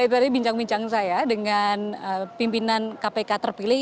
itu tadi bincang bincang saya dengan pimpinan kpk terpilih